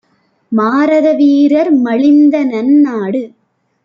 மாரத வீரர் மலிந்தநன் னாடு